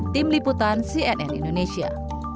tim liputan cnn indonesia